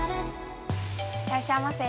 いらっしゃいませ。